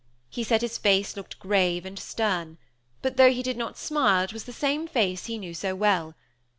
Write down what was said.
He said his face looked grave and stern; but though he did not smile, it was the same face he knew so well.